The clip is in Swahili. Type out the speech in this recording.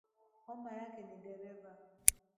Mama yake ni dereva